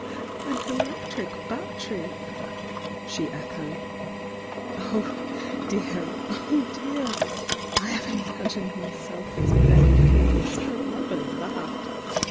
"An electric battery!" she echoed. "Oh, dear, oh, dear! I have imagined myself as many things, but never that!"